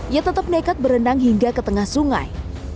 ia tetap nekat berenang hingga ke tengah sungai